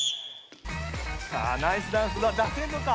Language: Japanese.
さあナイスダンスは出せるのか？